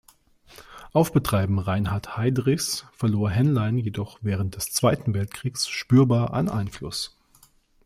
Auf Betreiben Reinhard Heydrichs verlor Henlein jedoch während des Zweiten Weltkrieges spürbar an Einfluss.